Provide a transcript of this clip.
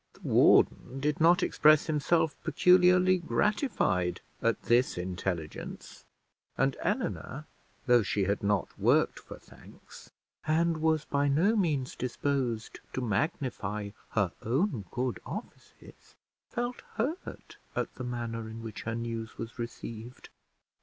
The warden did not express himself peculiarly gratified at this intelligence, and Eleanor, though she had not worked for thanks, and was by no means disposed to magnify her own good offices, felt hurt at the manner in which her news was received.